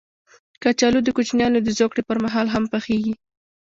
کچالو د کوچنیانو د زوکړې پر مهال هم پخېږي